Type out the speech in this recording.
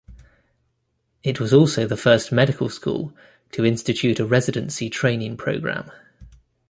It was also the first medical school to institute a residency training program.